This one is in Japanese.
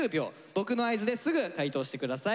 僕の合図ですぐ解答して下さい。